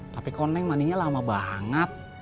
tapi kok neng maninya lama banget